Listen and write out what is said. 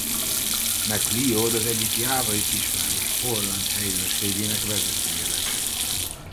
McLeod az egyik jávai kisváros holland helyőrségének vezetője lett.